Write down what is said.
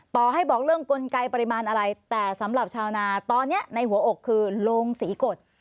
ต่อให้บอกเรื่องกลไกปริมาณอะไรแต่สำหรับชาวนาตอนนี้ในหัวอกคือโรงศรีกฎ